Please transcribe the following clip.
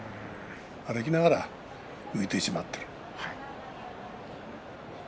歩きながら、浮いてしまっている。